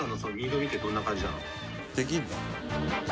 「できるの？」